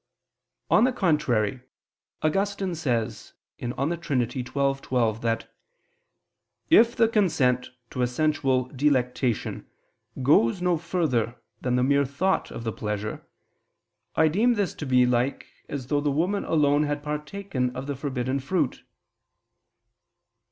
On the contrary, Augustine says (De Trin. xii, 12) that "if the consent to a sensual delectation goes no further than the mere thought of the pleasure, I deem this to be like as though the woman alone had partaken of the forbidden fruit."